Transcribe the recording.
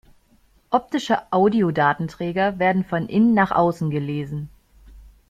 Optische Audiodatenträger werden von innen nach außen gelesen.